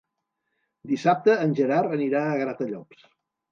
Dissabte en Gerard anirà a Gratallops.